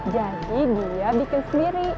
jadi dia bikin sendiri